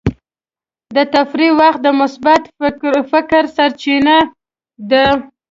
د تفریح وخت د مثبت فکر سرچینه ده.